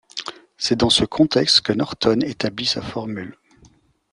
C'est dans ce contexte que Norton établit sa formule.